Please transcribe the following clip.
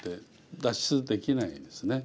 脱出できないんですね。